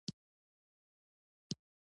تاریخ د افغانستان په اوږده تاریخ کې ذکر شوی دی.